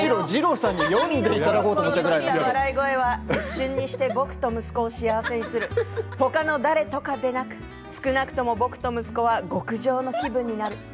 嫁よ、ころころとした笑い声は一瞬にして僕と息子を幸せにするほかの誰かとかではなく少なくとも僕と息子は極上の気分になる。